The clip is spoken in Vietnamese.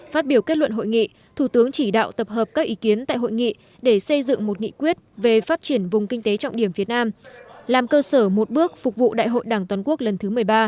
phát biểu kết luận hội nghị thủ tướng chỉ đạo tập hợp các ý kiến tại hội nghị để xây dựng một nghị quyết về phát triển vùng kinh tế trọng điểm việt nam làm cơ sở một bước phục vụ đại hội đảng toàn quốc lần thứ một mươi ba